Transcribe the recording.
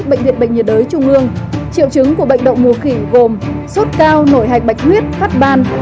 bệnh viện bệnh nhiệt đới trung ương triệu chứng của bệnh đậu mùa khỉ gồm sốt cao nổi hạch bạch huyết khát ban